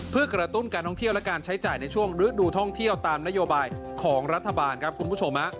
เพื่อกระตุ้นการท่องเที่ยวและการใช้จ่ายในช่วงฤดูท่องเที่ยวตามนโยบายของรัฐบาลครับคุณผู้ชม